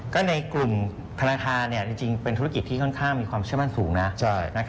ก็ในกลุ่มธนาคารจริงเป็นธุรกิจที่ค่อนข้างมีความเชื่อมั่นสูงนะ